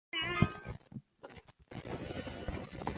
这是数论的主题列表。